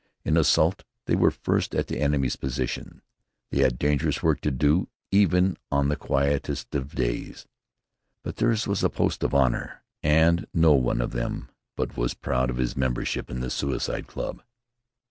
In an assault they were first at the enemy's position. They had dangerous work to do even on the quietest of days. But theirs was a post of honor, and no one of them but was proud of his membership in the Suicide Club.